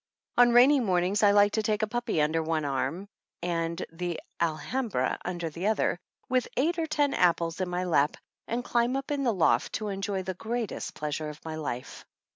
On rainy mornings I like to take a pupjjy under one arm and Tike Alhambra under the other, with eight or ten apples in my lap, and climb up in the loft to enjoy the greatest pleasure of my life.